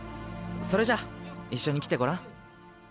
それじゃいっしょに来てごらん。